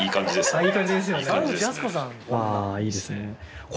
あいいですね。